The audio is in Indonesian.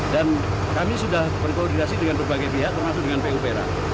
dan kami sudah berkoordinasi dengan berbagai pihak termasuk dengan pupera